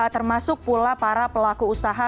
termasuk pula para pelaku usaha